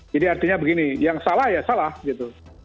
jadi artinya begini yang salah ya salah gitu